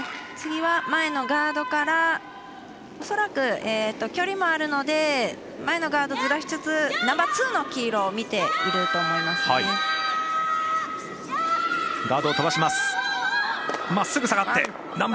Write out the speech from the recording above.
次は前のガードから恐らく、距離もあるので前のガードずらしつつナンバーツーの黄色を見ていると思います。